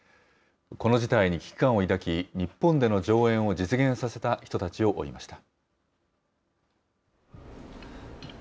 この事態に危機感を抱き、日本での上演を実現させた人たちを追いました。